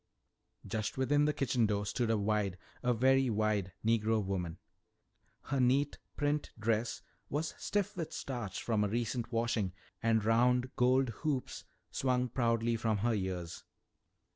Just within the kitchen door stood a wide, a very wide, Negro woman. Her neat print dress was stiff with starch from a recent washing, and round gold hoops swung proudly from her ears.